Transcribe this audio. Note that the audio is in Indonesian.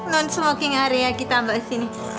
non smoking area kita mbak sini